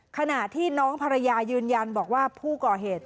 ขณะที่น้องภรรยายืนยันบอกว่าผู้ก่อเหตุ